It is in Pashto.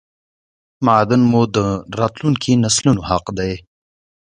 معادن مو راتلونکو نسلونو حق دی